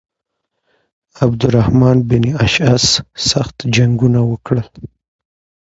عبدالرحمن بن اشعث سخت جنګونه وکړل.